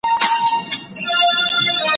زه پرون د سبا لپاره د ژبي تمرين کوم!؟